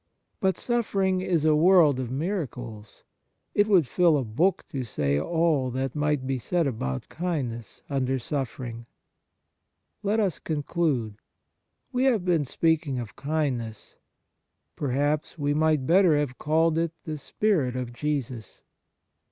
But suffering is a world of miracles. It would fill a book to say all that might be said about kindness under suffering. Kind Actions 107 Let us conclude. We have been speak ing of kindness. Perhaps we might better have called it the spirit of Jesus.